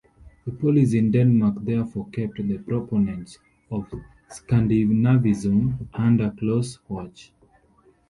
The police in Denmark therefore kept the proponents of Scandinavism under close watch.